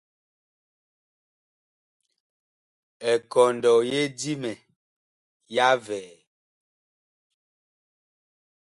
Ekɔndɔ ye Dimɛ ya vɛɛ.